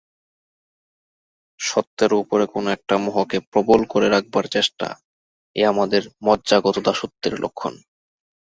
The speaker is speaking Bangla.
সত্যেরও উপরে কোনো-একটা মোহকে প্রবল করে রাখবার চেষ্টা এ আমাদের মজ্জাগত দাসত্বের লক্ষণ।